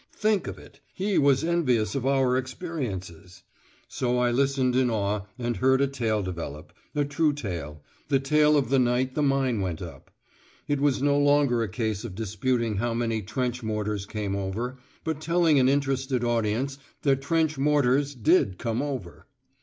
Think of it! He was envious of our experiences! So I listened in awe and heard a tale develop, a true tale, the tale of the night the mine went up. It was no longer a case of disputing how many trench mortars came over, but telling an interested audience that trench mortars did come over!